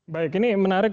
baik ini menarik